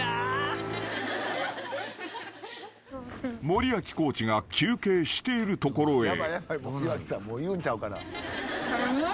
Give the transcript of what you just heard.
［森脇コーチが休憩しているところへ］